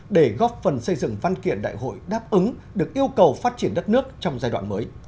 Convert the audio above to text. để góp phần xây dựng văn kiện đại hội đáp ứng được yêu cầu phát triển đất nước trong giai đoạn mới